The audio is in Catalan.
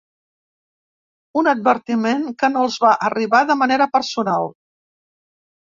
Un advertiment que no els va arribar de manera personal.